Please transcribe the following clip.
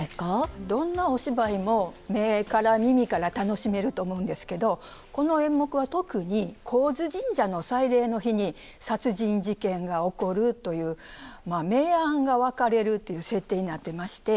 どんなお芝居も目から耳から楽しめると思うんですけどこの演目は特に高津神社の祭礼の日に殺人事件が起こるというまあ明暗が分かれるっていう設定になってまして。